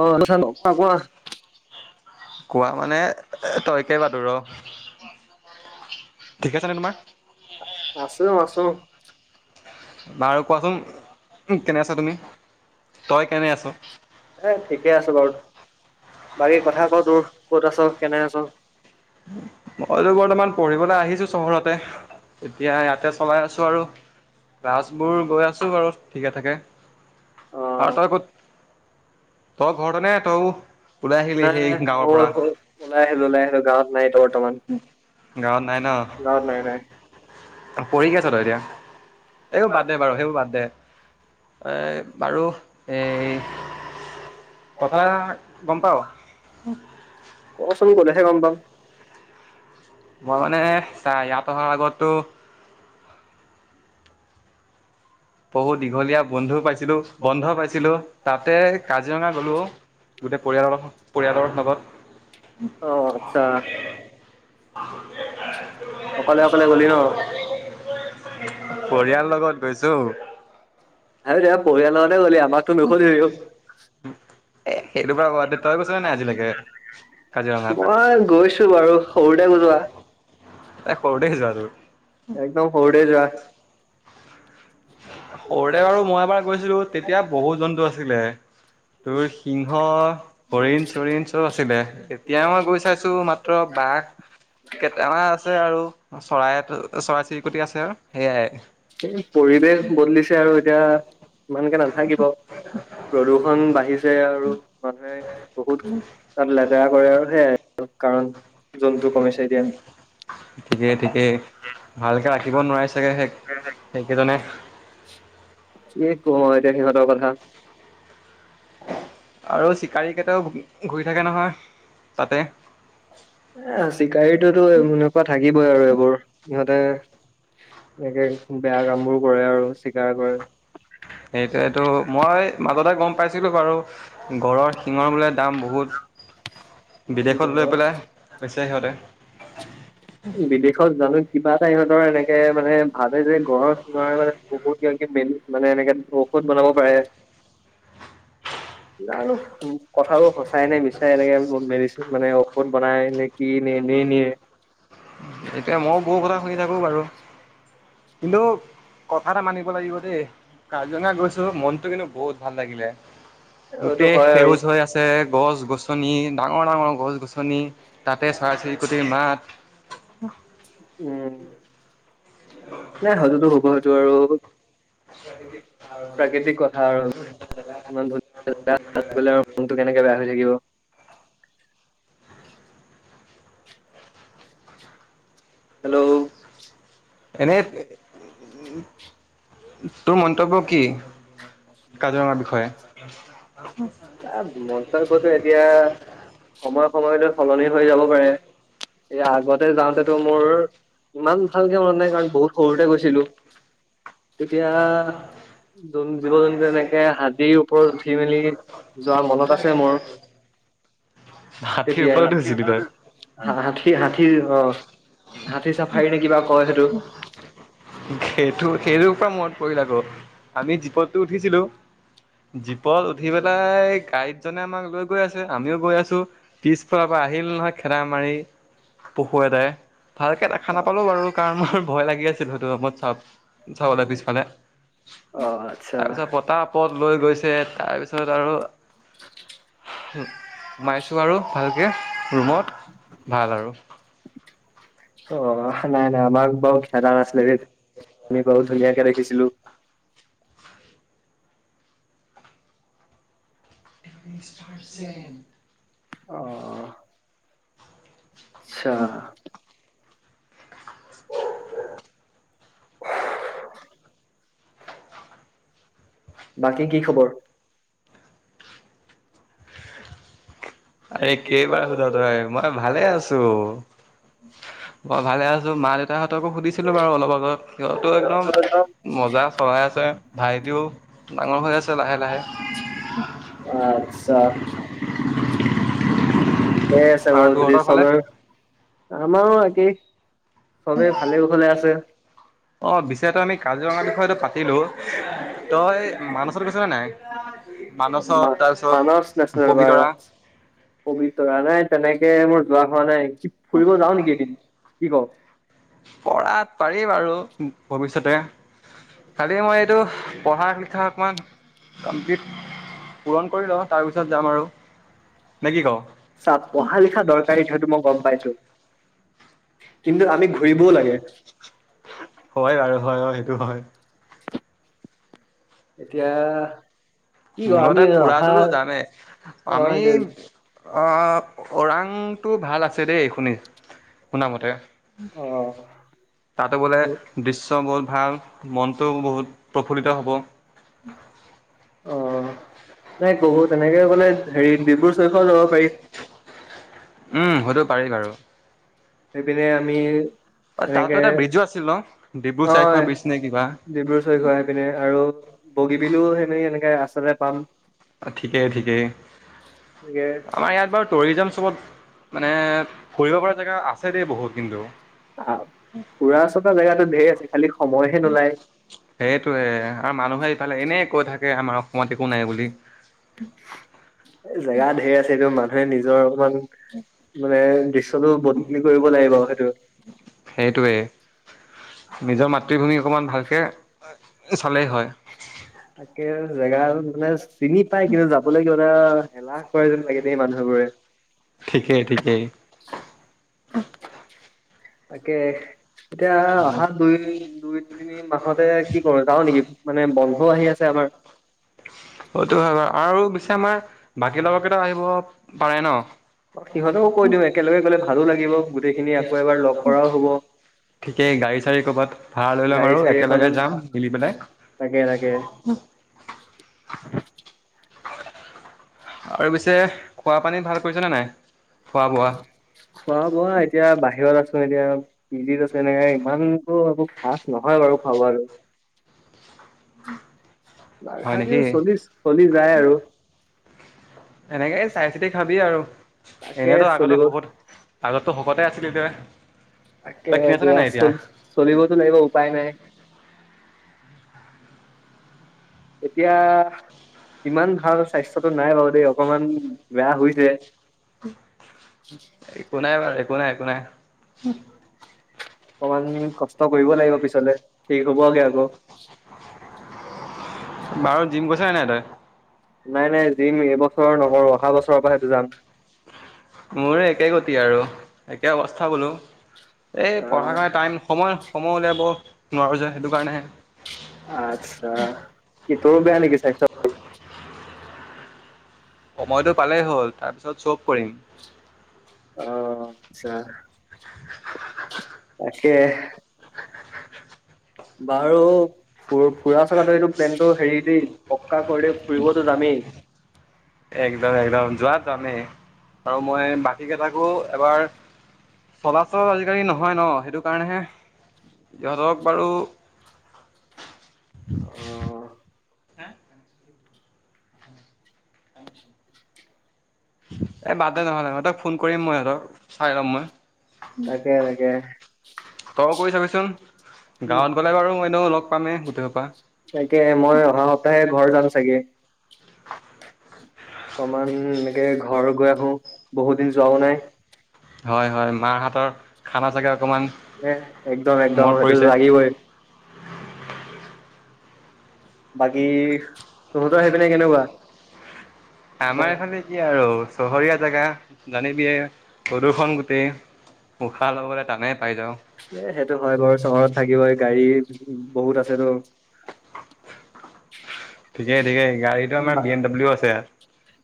[unintelligible] কোৱা? কোৱা মানে তই কে [unintelligible] ৰ। [inaudible] তোমাৰ আছো, আছো। বাৰু কোৱাচোন কেনে আছা তুমি, তই কেনে আছ? এ ঠিকে আছো বাৰু বাকী কথা ক তোৰ ক'ত আছ কেনে আছ মইতো বৰ্তমান পঢ়িবলৈ আহিছো চহৰতে। এতিয়া ইয়াতে চলাই আছো আৰু ক্লাছবোৰ গৈ আছো বাৰু। ঠিকে থাকে, অ আৰু তই ক'ত তই ঘৰতে নে, তয়ো নাই, নাই, হ'ল, হ'ল ওলাই আহিলো, ওলাই আহিলো, গাঁৱত নাই এতিয়া বৰ্তমান। গাঁৱত নাই ন গাঁৱত নাই নাই। পঢ়ি কি আছ তই এতিয়া, এইবোৰ বাদদে বাৰু সেইবোৰ বাদদে। এ, বাৰু এই কথা গম পাও। [inaudible] কচোন গ'লেহে গম পাম। মই মানে চা ইয়াত অহাৰ আগতটো বহুত দীঘলীয়া বন্ধু পাইছিলো, বন্ধ পাইছিলো, তাতে কাজিৰঙা গ'লো, গোটেই পৰিয়ালৰ, পৰিয়ালৰ লগত। [inaudible] অ আচ্ছা অকলে অকলে গলি ন [unintelligible] পৰিয়াল লগত গৈ ছো। আৰু দেয়া পৰিয়ালৰ লগতে গলি আমাকটো নকলিও, এ সেইটো বাৰু বাদ দে তই গৈছনে নাই আজিলৈকে কাজিৰঙাত মই গৈছো বাৰু সৰুতে গলোঁ আ তাই সৰুতে যোৱাটো একদম সৰুতে যোৱা। সৰুতে বাৰু মই এবাৰ গৈছিলো, তেতিয়া বহুত জন্তু আছিলে। তোৰ সিংহ, হৰিণ-চৰিণ চব আছিলে, এতিয়া মই গৈ চাইছো মাত্ৰ বাঘ কেইটামান আছে আৰু চৰাই, চৰাই-চিৰিকটি আছে আৰু সেইয়াই। [inaudible] পৰিৱেশ বদলিছে আৰু এতিয়া ইমানকে নাথাকিব, প্ৰদূষন বাঢ়িছে আৰু মানুহে বহুত তাত লেতেৰা কৰে আৰু সেয়াই। কাৰণ জন্তু কমিছে এতিয়া ঠিকেই ঠিকেই, ভালকে ৰাখিব নোৱাৰে চাগে সেই সেই গেজনে- কি কম আৰু এতিয়া সিহঁতৰ কথা আৰু চিকাৰী কেইটাও ভুী ঘূৰি থাকে নহয় তাতে। এ চিকাৰীটোতো এনেকুৱা থাকিবই আৰু এইবোৰ সিহঁতে এনেকে বেয়া কাম বোৰ কৰে আৰু চিকাৰ কৰে সেইটোয়টো মই মাজতে গম পাইছিলো বাৰু গঁডৰ শিঙৰ বোলে দাম বহুত বিদেশত লৈ ঘৰৰ পেলাই দেই হয় দে বিদেশত জানো কিবা এটা ইিহঁতৰ এনেকে মানে ভাল যে গ ঘৰ শিঙৰা ম পুকুত মেলি মানে এনেকে ঔষধ বনাব পাৰে আৰু কথাবোৰ সচাই নে বিচাৰে এনেকে মেলিছ মানে ঔষধ বনাই নে কি নে এনেই নিয়ে। একে মও গও কথা শুনি থাকো বাৰু। কিন্তু কথা এটা মানিব লাগিব দেই কাজিৰঙা গৈছো মনতটো কিন্তু বহুত ভাল লাগিলে। এইটো গোটেই হয় আৰু সেউজ হৈ আছে গছ গছ গছনি ডাঙৰ ডাঙৰ গছ গছনি তাতে চৰা চিৰিকটিৰ মাত [inaudible] উম', নাই সেইতোতো হ'বই সেইটো আৰু, আচ্ছা দদি [unintelligible] প্ৰাকৃতিক কথা আৰু ইমান ধুনীয়া জগা মনটো কেনেকে বেয়া হৈ থাকিব। [inaudible] হেল্ল' এনেই, উম', তোৰ মন্তব্য কি কাজিৰঙাৰ বিষয়ে? সময়টো সলনি হৈ যাব পাৰে। এ আ', তাতে যাওঁতেতো মোৰ ইমান ভালকে মন নাই, কাৰণ বহুত সৰুতে গৈছিলো। কি? এতিয়া জীৱ-জন্তু এনেকে হাতীৰ ওপৰত উঠি মেলি, যোৱা মনত আছে মোৰ। হাতীৰ তেতিয়াই ওপৰত উছিলি তই, হাতী হাতী অ হাতী চাফাৰী নে কিবা কয় সেইটো টো সেইটো পৰা মনত পৰিল আকৌ আমি জীপতটো উঠিছিলো জীপত উঠি পেলাই গাইডজনে আমাক লৈ গৈ আছে আমিও গৈ আছো। পিছফালৰ পৰা আহিল নহয় খেদা মাৰি পঢহুৱদায় ভালকে দেখা নাপালো বাৰু কাৰণ মোৰ ভয় লাগি আছে সটোত চাব চাবলৈ পিছফালে অ আচ্ছা তাৰ পিছত পতা পত লৈ গৈছে ছে তাৰপিছত আৰু হয় ঁ আৰু ভালকৈ ৰুমত ভাল আৰু অ নাই নাই মাক বহুত খেদা নাছিলে আমি বহুত ধুনীয়াকে দেখিছিলো টিভি ষ্টাৰ্ চণ্ অ আচ্ছা বাকী কি খবৰ [unintelligible] আৰে কেইবাৰ সোধ তই মই ভালে আছো [unintelligible] মই ভালে আছো মা দেউতা তকো সুধিছিলো বাৰ অলপ আগত সহতো একদম মজা চলাই আছে বাইদেউ ডাঙৰ হৈ আছে লাহে লাহে [unintelligible] এ আছ আৰু গৌত্ৰী তোহঁতৰ স ফালে আমাৰো একে অ বিশচ তো আমি কাজিৰঙাৰ বিষয়টোো পাতিলোঁ মানসত তাৰপিছত মানস নেচনেল পাৰ্ক পবিতৰা পবিতৰা নাই তেনেকে মোৰ যোৱা হোৱা নাই ফুৰিব যাও নেকি এদিন কি ক পঢ়াত পাৰি বাৰু ভৱিষ্যতে কালি মই এইটো পঢ়া লিখা অকমান কমপ্লিট পূৰণ কৰি লওঁ তাৰপিছত যাম আৰু। নে কি কওঁ? চা পঢ়া লিখা দৰকাৰী সেইটো মই গম পাইছোঁ। [unintelligible] হয় বাৰু হয় হয় এইটো হয়। এতিয়া কি ক আমি মুলতে অহা ফুৰাটো জানে অ আমি অ' ওৰাংটো ভাল আছে দেই শুনিছোঁ। শুনামতে তাতো বোলে সেইটোৱে দৃশ্য বহুত ভাল মনটো বহুত প্ৰফুল্লিত হ'ব। [unintelligible] অ এ [unintelligible] তেনেকে কলে হেৰি ডিব্ৰু চৈখোৱা যাব পাৰি। উম, সেইটো পাৰি বাৰু সেইপিনে আমি তাতো এনেকে এটা ব্ৰিজো আছিল ন? ডিব্ৰু অ চাইখোৱা এ ব্ৰিজ নে কিবা ডিব্ৰু চৈখোৱা ইপিনে আৰু বগীবিলও সেনেকে এনেকে আছেৰেত পাম ঠিকেই ঠিকেই এনেকে আমাৰ ইয়াত বাৰু টুৰিজম চবত মানে ফুৰিব পৰা জেগা আছে দেই বহুত। [unintelligible] [unintelligible] ঘুৰা চকা জেগাটো ঢেৰ আছে খালি সময় [unintelligible] সেইটোয়ে আৰু মানুহ [unintelligible] ইফালে এনে কৈ থাকে আমাৰ অসমত একো নাই বুলি। এ জেগা ঢেৰ আছে কিন্তু মানুহে নিজৰ অকমান মানে দৃশ্যটো বদলি কৰিব লাগিব সেইটো। সেইটোৱে [unintelligible] নিজৰ মাতৃভূমি অকমান ভালকে [unintelligible] চালেই হয়। এতিয়া জেগা [unintelligible] চিনি পায় কিন্তু যাবলৈ কিয়বা এলাহ কৰে যেন লাগে যে মানুহবোৰে। ঠিকেই ঠিকেই [unintelligible] তাকে এতিয়া অহা দুই দুই তিনি মাহতে কি কৰো যাও নেকি মানে বন্ধও আহি আছে আমাৰ। অতু হ'ব। আৰু বিছা মা বাকী লগৰ কেটা আহিব পাৰে ন সিহঁতকো কৈ দিওঁ একেলগে গ'লে ভালো লাগিব গোটেইখিনি আকৌ এবাৰ লগ কৰাও হ'ব [unintelligible] ঠিকেই গাড়ী চাড়ী কৰবাত ভাড়া লৈ লম গাড়ী আৰু চাড়ী এখন একেলগে যাম মিলি পেলাই। তাকে তাকে [unintelligible] আৰু পিছে খোৱা পানী ভাল কৰিছেনে নাই।? খোৱা খোৱা বোৱা বোৱা? এতিয়া [inaudible] পিজিত আছে নে ইমানতো আকৌ।। অ। নহয় বাৰু খাওঁ আৰু। দাইল হয় ভাজিও নেকি চলি-চলি যায় আৰু।। এনেকেই চাই চিতি খাবি আৰু তাকে এনেইতো আগতে চলিব শকত আগততো শকতে আছিলি তই। তই তাকেহে ক্ষীণাইছ নে দিয়া নাই এতিয়া চোন, চলিবতো লাগিব উপায় নাই। এতিয়া, কিমান খাউচ? স্বাস্থ্যতো নাই বাৰু দেই, অকনমান বেয়া হৈছে দে। একো নাই বাৰু একো নাই, একো নাই। অকমানি কষ্ট কৰিব লাগিব পিছলৈ ঠিক হ'ব গে আকৌ।। বাৰু জিম গৈছে নাই নাই তই নাই নাই জিম এইবছৰ নকৰো। অহা বছৰৰ পৰা হে যাম। মোৰো একে গতি আৰু, একে অৱস্থা বোলো। এই পঢ়া আহ কাৰণে টাইম সময়, সময় সময় উলিয়াব নোৱাৰো যে সেইটো আচ্ছা কাৰণেহে। কি তোৰো বেয়া নেকি স্বাস্থ্য সময়টো পালেই হ'ল। তাৰপিছত চব কৰিম। অ আচ্ছা তাকেই। বাৰু ফু ফুৰা চকাটো এইটো প্লেনটো হেৰি দেই পক্কা কৰি দেই ফুৰিবতো যামেই একদম, একদম। যোৱাত যামেই আৰু মই বাকীকেইটাকো এবাৰ চলাচল আজিকালি নহয় ন। সেইটো কাৰণেহে সিহঁতক বাৰু।। অ [inaudible] হা? এ বাদ দে নহ'লে সিহঁতক ফোন কৰিম মই। আৰু চাই ল'ম মই তাকে তাকে তয়ো কৈ চাবিচোন, গাঁৱত গলে বাৰু মই এনেও লগ পামেই গোটেই সোপাক।। তাকে মই অহা সপ্তাহে ঘৰ যাম চাগে অকমান এনেকে ঘৰ গৈ আহো বহুত দিন যোৱাও নাই। হয় হয় মাৰ হাতৰ।। খানা চাগে অকণমান একদম, একদম। মনত সেইটো টো পৰিছে লাগিবই। [inaudible] বাকী।। তহঁতৰ সেইপিনে কেনেকুৱা? এ আমাৰ এইফালে কি আৰু।। চহৰীয়া জেগা জানিবিয়ে প্ৰদূষণ গোটেই উশাহ ল'বলৈ টানেই পাই যাওঁ। এ সেইটো হয় বাৰু। চহৰত থাকিবই গাড়ী বহুত আছে টো। ঠিকেই-ঠিকেই গাড়ীতটো আমাৰ বি এম ডাব্লিউ আছে।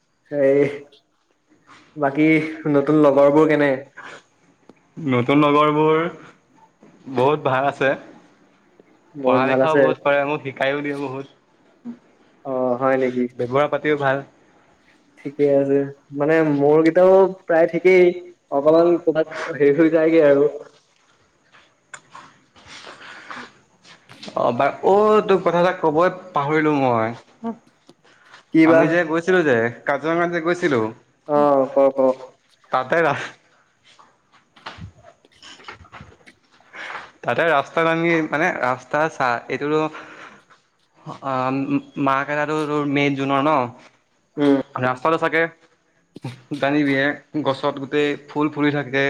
[inaudible] বাকী নতুন লগৰবোৰ কেনে? নতুন নগৰবোৰ বহুত ভাল আছে। বহুত পঢ়া ভাল লিখাও আছে বহুত কৰে মোক শিকাইও দিয়ে বহুত। অ হয় ব্যৱহাৰ পাতিও ভাল। ঠিকেই আছে, মানে মোৰ কেইটাও প্ৰায় ঠিকেই অকমান ক'বাত হেৰি হৈ যায়গে আৰু [inaudible] অ' বা অ' তোক কথা এটা কবই পাহৰিলো মই। কি বা আমি যে গৈছিলো যে কাজিৰঙাত যে গৈছিলো অ ক ক তাতে তাতে ৰাস্তা কানি মানে ৰাস্তা চা এইটো অ', মাক এটা তোৰ মেইন জুনৰ উম ন ৰাস্তাটো চাগে জানিবি গছত গোটেই ফুল ফুলি থাকে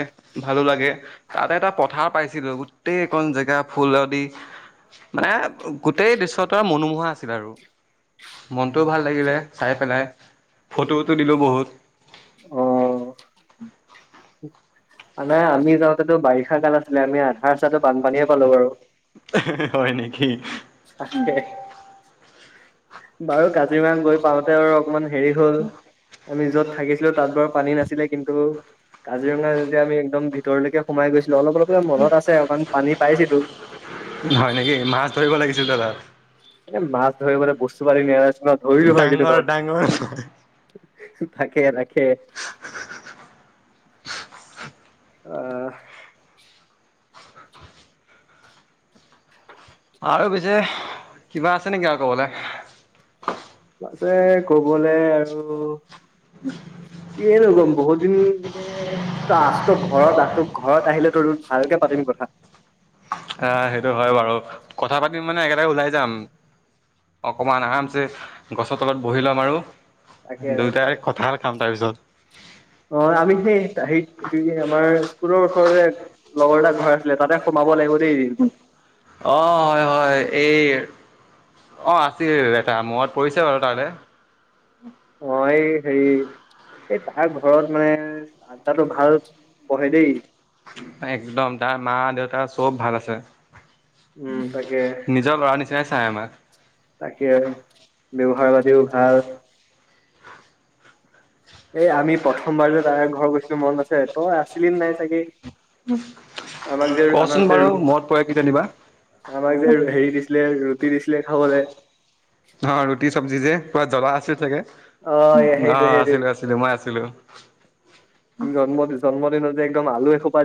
ভালো লাগে তাতে এটা পথাৰ পাইছিলো। গোটেইকখন জেগা ফুৰাবি। মানে গোটেই দৃশ্য টোৱে মনোমোহা আছিল আৰু মনটোও ভাল লাগিলে চাই পেলাই ফটো তুলিলো বহুত। অ নাই আমি যাওঁতেতো বাৰিষা কাল আছিলে আমি আৰু হয় নেকি? তাকে। বাৰু কাজিৰঙা গৈ পাওঁতে আৰু অকনমান হেৰি হল, আমি যত থাকিছিলো তাত বাৰু পানী নাছিলে কিন্তু কাজিৰঙা যেতিয়া আমি একদম ভিতৰলৈকে সোমাই গৈছিলো অলপ অলপ মনত আছে অকণ পানী পাইছিলো। হয় নেকি মাছ [inaudible] এ মাছ ধৰিলৈ বস্তু পাতি নিয়া নাছিলো ন। ডাঙৰ- ডাঙৰ তাকে ৰাখ কে [inaudible] অহ', আৰু পিছে, কিবা আছে নেকি আৰু কবলে? পাছে কবলৈ আৰু কি নো কম, বহুত দিন এনেকে তই আ চোন ঘৰত আ ঘৰত আহিলে তোৰ ভালকে পাতিম কথা। আহ, সেইটো হয় বাৰু কথা পাতি মানে একেটাৰে ওলাই যাম। অকমান আৰামছে। গছৰ তলত বহি ল'ম আৰু, তাকে তাকে দুয়োটাই কঁঠাল খাম তাৰপিছত। অ', আমি সেই হেইত আমাৰ স্কুলৰ ওচৰতে লগৰ এটাৰ ঘৰ আছিলে তাতে সোমাব লাগিব। দেই এদিন অ' হয় হয়, এই অ', আছিল এটা মনত পৰিছে বাৰু তাৰলে। ত‌ই হেৰি এই তাৰ ঘৰত মানে আড্ডাটো ভাল বহে। দেই একদম টা মা, দেউতা চব ভাল আছে। উম তাকে, নিজৰ ল'ৰা নিচিনাই চাই আমাক তাকে, ব্যৱহাৰ পাতিও ভাল। এই আমি প্ৰথমবাৰ যে তাৰ ঘৰ গৈছিলো মনত আছে? তই আছিলি নাই চাগে, আমাক যে, কচোন আমাক যে, বাৰু ৰু, মনত পৰে কিজানিবা আমাক যে হেৰি দিছিলে ৰুটি দিছিলে খাবলে। হ ৰুটি চব্জি যে। পোৰা জ্বলা আছিল চাগে, অ', সেইটোৱে আছিলো আছিলো মই। আছিলো। জন্মদিন, জন্মদিনজে কোনোবা আলু এখোপা